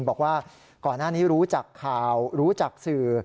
บอกว่าก่อนหน้านี้รู้จักข่าวรู้จักสื่อ